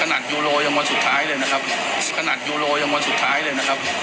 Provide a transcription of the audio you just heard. ขนาดยูโรยัมวันสุดท้ายเลยนะครับ